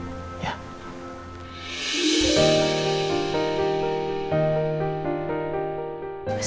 percaya sama papa ya